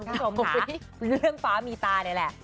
คุณผู้ชมเรื่องฟ้ามีตานี่แหละ